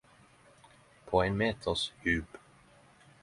På ein meters djup.